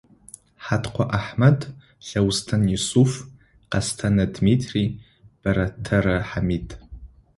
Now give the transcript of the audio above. Хьаткъо Ахьмэд, Лъэустэн Юсыф, Кэстэнэ Дмитрий, Бэрэтэрэ Хьамид.